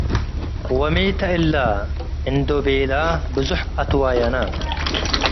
ወ፣ “ሚ ተ እለ?” እንዶ ቤለ ብዞሕ አትዋየነ።